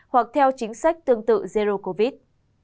hoặc theo chính sách tương tự zero covid